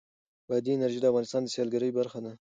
بادي انرژي د افغانستان د سیلګرۍ برخه ده.